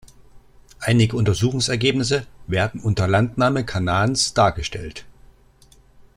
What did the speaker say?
Einige Untersuchungsergebnisse werden unter Landnahme Kanaans dargestellt.